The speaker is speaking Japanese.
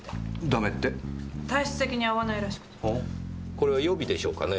これは予備でしょうかね？